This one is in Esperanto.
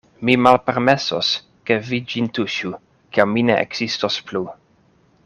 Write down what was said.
Mi malpermesos, ke vi ĝin tuŝu, kiam mi ne ekzistos plu.